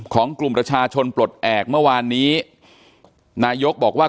ของกลุ่มประชาชนปลดแอบเมื่อวานนี้นายกบอกว่า